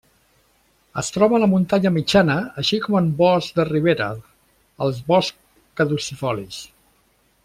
Es troba a la muntanya mitjana així com en boscs de ribera, als boscs caducifolis.